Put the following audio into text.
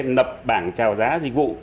nập bảng trào giá dịch vụ